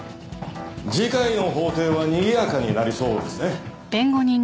次回の法廷はにぎやかになりそうですね。